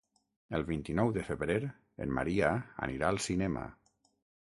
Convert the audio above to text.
El vint-i-nou de febrer en Maria anirà al cinema.